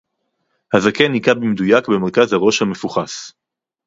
הַזָּקֵן הִיכָּה בִּמְדֻויָּק בְּמֶרְכַּז הָרֹאשׁ הַמְּפֻוחָס